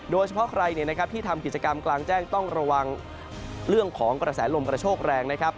โดยเฉพาะใครที่ทำกิจกรรมกลางแจ้งต้องระวังเรื่องของกระแสลมกระโชคแรงนะครับ